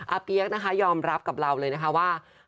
เปี๊ยกนะคะยอมรับกับเราเลยนะคะว่า